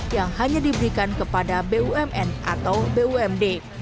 yang hanya diberikan kepada bumn atau bumd